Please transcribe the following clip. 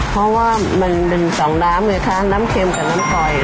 เพราะว่ามันเป็นสองน้ำไงคะน้ำเค็มกับน้ำกอย